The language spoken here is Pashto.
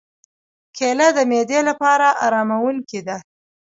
کېله د معدې لپاره آراموونکې ده.